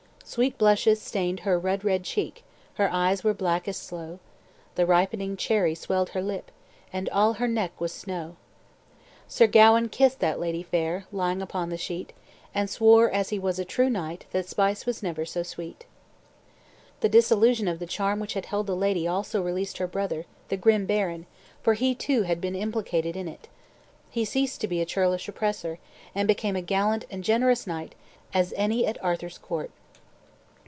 "Sweet blushes stayned her rud red cheek, Her eyen were black as sloe, The ripening cherrye swelled her lippe, And all her neck was snow. Sir Gawain kist that ladye faire Lying upon the sheete, And swore, as he was a true knight, The spice was never so swete." The dissolution of the charm which had held the lady also released her brother, the "grim baron," for he too had been implicated in it. He ceased to be a churlish oppressor, and became a gallant and generous knight as any at Arthur's court.